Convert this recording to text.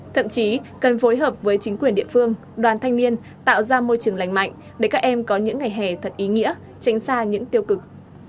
thậm chí cần phối hợp với chính quyền địa phương đoàn thanh niên tạo ra môi trường lành mạnh để các em có những ngày hè thật ý nghĩa tránh xa những tiêu cực